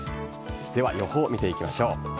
では予報を見ていきましょう。